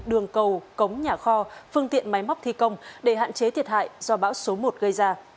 đường cầu cống nhà kho phương tiện máy móc thi công để hạn chế thiệt hại do bão số một gây ra